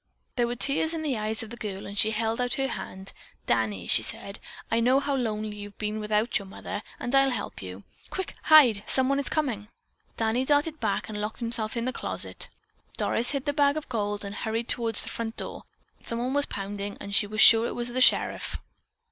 There were tears in the eyes of the girl and she held out her hand: "Danny," she said, "I know how lonely you've been without your mother and I'll help you. Quick, hide! Someone is coming." Danny darted back and locked himself in the closet. Doris hid the bag of gold and hurried toward the front door. Someone was pounding and she was sure it was the sheriff.